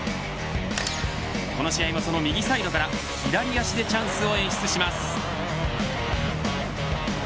この試合もその右サイドから左足でチャンスを演出します。